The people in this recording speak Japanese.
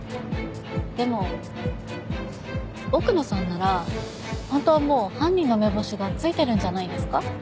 でも奥野さんなら本当はもう犯人の目星がついてるんじゃないですか？